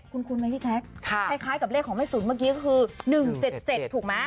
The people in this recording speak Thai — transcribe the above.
คุ้นไหมพี่แจ๊คคล้ายกับเลขของแม่ศูนย์เมื่อกี้ก็คือ๑๗๗ถูกไหม